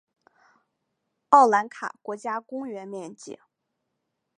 奥兰卡国家公园面积。